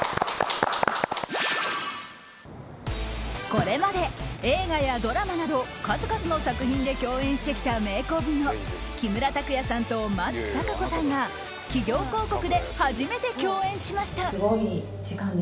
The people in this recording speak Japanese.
これまで映画やドラマなど数々の作品で共演してきた名コンビの木村拓哉さんと松たか子さんが企業広告で初めて共演しました。